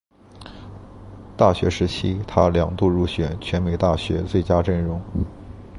大学时期他两度入选全美大学最佳阵容。